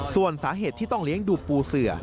ส่วนสาเหตุที่ต้องเลี้ยงดูปูเสือ